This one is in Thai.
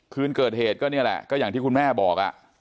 คืนเกิดเหตุก็นี่แหละก็อย่างที่คุณแม่บอก